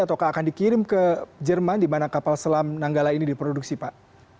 ataukah akan dikirim ke jerman di mana kapal selam nanggala ini diproduksi pak